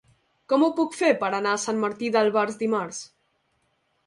Com ho puc fer per anar a Sant Martí d'Albars dimarts?